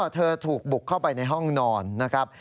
เธอถูกบุกเข้าไปในห้องนอนนะครับ